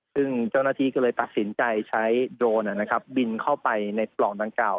ซึ่งเจ้าหน้าที่ก็เลยตัดสินใจใช้โดรนอ่ะนะครับบินเข้าไปในปล่องต่างเก่า